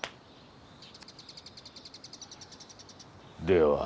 では。